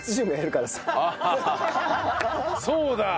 そうだ！